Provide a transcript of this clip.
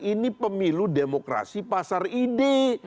ini pemilu demokrasi pasar ide